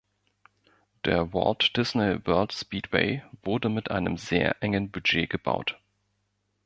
Der Walt Disney World Speedway wurde mit einem sehr engen Budget gebaut.